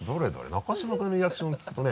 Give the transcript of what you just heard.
中島君のリアクション聞くとね。